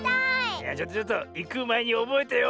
いやちょっとちょっといくまえにおぼえてよ。